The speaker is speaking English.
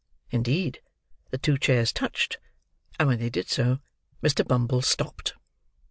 Indeed, the two chairs touched; and when they did so, Mr. Bumble stopped.